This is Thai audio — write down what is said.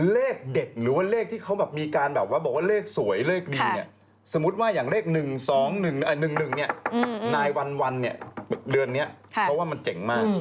เลขเด็กหรือว่าเลขที่เขามีการแบบว่าเลขสวยเลขดีสมมุติว่าอย่างเลข๑๒๑นี่นายวันวันเนี่ยเดือนนี้เขาว่ามันเจ๋งมาก